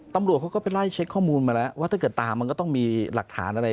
ตำรวจเขาก็ไปไล่เช็คข้อมูลมาแล้วว่าถ้าเกิดตามมันก็ต้องมีหลักฐานอะไร